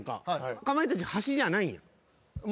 かまいたち端じゃないんや？